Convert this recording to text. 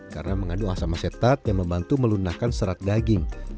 karena mengandung asam asetat yang membantu melunakan serat daging